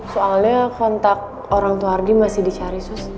soalnya kontak orang tua ardi masih dicari sus